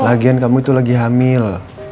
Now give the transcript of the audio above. lagian kamu itu lagi hamil